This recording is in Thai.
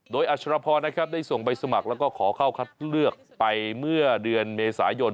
โดยอัชรพรนะครับได้ส่งใบสมัครแล้วก็ขอเข้าคัดเลือกไปเมื่อเดือนเมษายน